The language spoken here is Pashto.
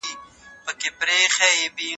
سمدستي یې سوه تېره چاړه تر غاړه